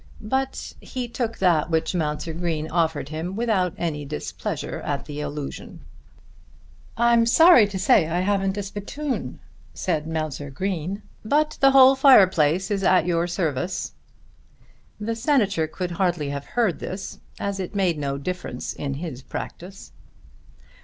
But he took that which Mounser Green offered him without any displeasure at the allusion. "I'm sorry to say that I haven't a spittoon," said Mounser Green, "but the whole fire place is at your service." The Senator could hardly have heard this, as it made no difference in his practice.